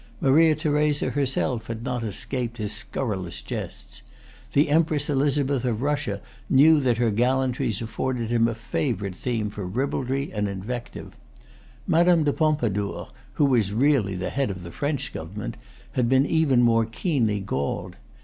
Maria Theresa herself had not escaped his scurrilous jests. The Empress Elizabeth of Russia knew that her gallantries afforded him a favorite theme for ribaldry and invective. Madame de Pompadour, who was really the head of the French government, had been even more keenly galled.